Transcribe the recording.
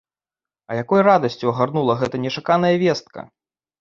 А якой радасцю агарнула гэта нечаканая вестка!